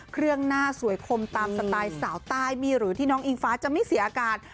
เครื่องหน้าสวยคมตามสไตล์สาวใต้มีหรือที่น้องอิงฟ้าจะไม่เสียอาการ